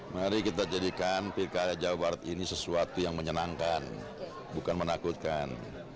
menjadikan pilkada jawa barat ini sesuatu yang menyenangkan bukan menakutkan